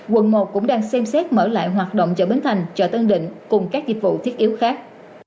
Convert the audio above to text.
quận một cũng đang xem xét mở lại hoạt động chợ bến thành chợ tân định cùng các dịch vụ thiết yếu khác